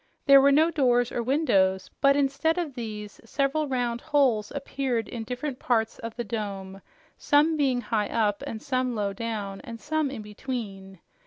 There were no doors or windows, but instead of these, several round holes appeared in different parts of the dome, some being high up and some low down and some in between.